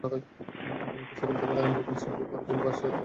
এতে মোটরসাইকেলে থাকা তিনজনই ছিটকে পড়লে বাসটি তাঁদের চাপা দিয়ে চলে যায়।